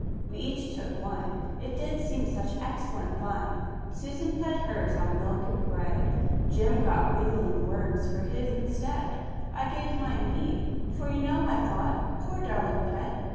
We each took one, It did seem such excellent fun! Susan fed hers on milk and bread, Jem got wriggling worms for his instead. I gave mine meat, For, you know, I thought, "Poor darling pet!